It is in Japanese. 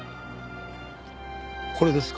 これですか？